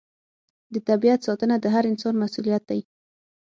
د طبیعت ساتنه د هر انسان مسوولیت دی.